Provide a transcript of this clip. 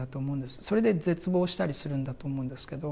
それで絶望したりするんだと思うんですけど。